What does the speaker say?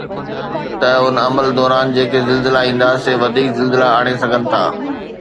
ته ان عمل دوران جيڪي زلزلا ايندا، سي وڌيڪ زلزلا آڻي سگهن ٿا